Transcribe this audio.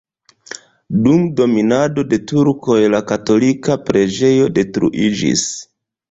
Dum dominado de turkoj la katolika preĝejo detruiĝis.